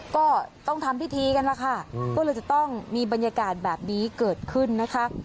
ก็ต้องทำพิธีกันล่ะค่ะก็เลยจะต้องมีบรรยากาศแบบนี้เกิดขึ้นนะคะ